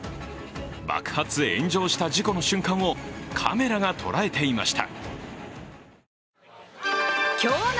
爆発・炎上した事故の瞬間をカメラが捉えていました。